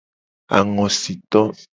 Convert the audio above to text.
Angosito.